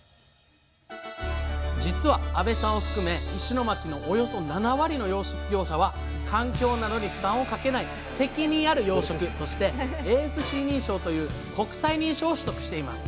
実は阿部さんを含め石巻のおよそ７割の養殖業者は環境などに負担をかけない責任ある養殖としてＡＳＣ認証という国際認証を取得しています